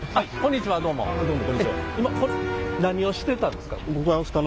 今これ何をしてたんですか？